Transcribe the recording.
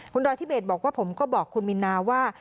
คุณดอยทิเบศบอกว่าผมก็บอกคุณมินนาว่า